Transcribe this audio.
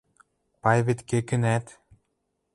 Пай вет кекӹнӓт.